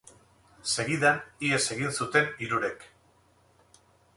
Segidan, ihes egin zuten hirurek.